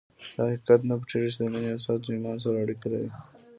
دا حقیقت نه پټېږي چې د مینې احساس له ایمان سره اړیکې لري